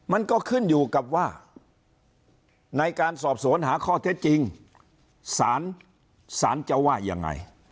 มันก็ขึ้นอยู่กับว่าในการสอบสวนหาข้อเท็จจริงสารจะว่ายังไง